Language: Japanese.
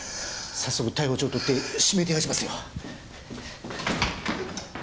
早速逮捕状取って指名手配しますよ。